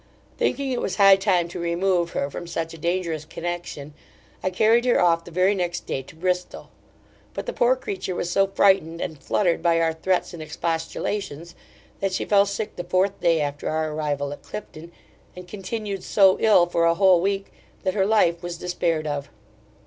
Thinking it was high time to remove her from such a dangerous connexion, I carried her off the very next day to Bristol; but the poor creature was so frightened and fluttered, by our threats and expostulations, that she fell sick the fourth day after our arrival at Clifton, and continued so ill for a whole week, that her life was despaired of.